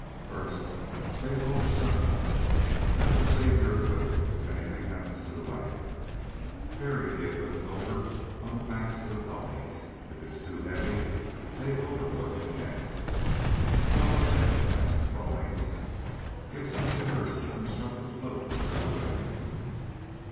"First take all the stuff out of it. That will save your equipment if anything happens to the wagon. Ferry the equipment over on the backs of the ponies. If it's too heavy, take over what you can." "Well, what next?" asked Stallings. "Get some timbers and construct a float under the wagon."